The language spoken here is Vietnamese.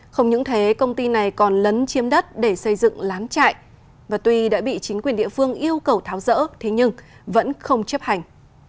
không những thế công ty này còn lấn chiếm đất để xây dựng lán chạy và tuy đã bị chính quyền địa phương yêu cầu tháo rỡ thế nhưng vẫn không chấp hành